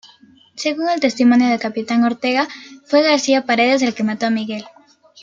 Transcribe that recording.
Según el testimonio del capitán Ortega, fue García Paredes el que mató a Miguel.